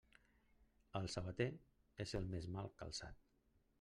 El sabater és el més mal calçat.